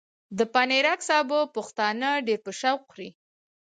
د پنېرک سابه پښتانه ډېر په شوق خوري۔